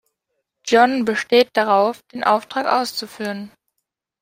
John besteht darauf, den Auftrag auszuführen.